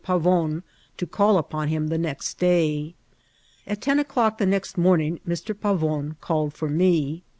Pavon to call upon him the next day. At ten o'clock the next morning Mr. Pavon called for me.